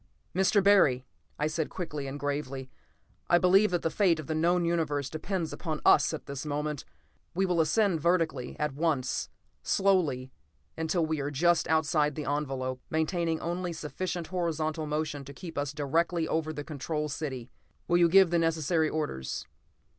"Mr. Barry," I said quickly and gravely, "I believe that the fate of the known Universe depends upon us at this moment. We will ascend vertically, at once slowly until we are just outside the envelope, maintaining only sufficient horizontal motion to keep us directly over the Control City. Will you give the necessary orders?"